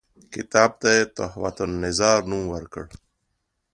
کتاب ته یې تحفته النظار نوم ورکړ.